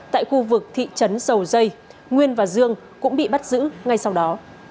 tại khu vực thị trấn dầu dây nguyên và dương cũng bị bắt giữ ngay sau đó